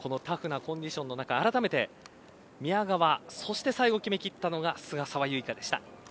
このタフなコンディションの中あらためて、宮川そして最後、決めきったのが菅澤でした。